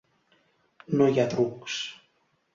No hi ha trucs.